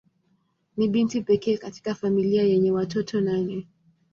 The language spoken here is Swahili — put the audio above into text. Ni binti pekee katika familia yenye watoto nane.